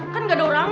kan gak ada orangnya